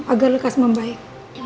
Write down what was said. agar lekas membaik